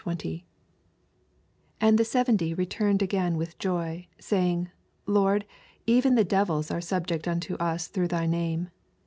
17 And the seventy retamed again with joy, saying, Lord, even the dev ils are subject unto us throngh thy name.